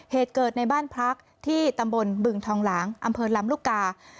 เหตุเกิดในบ้านพักที่ตำบลบึงทองหลางอำเภอลำลูกกา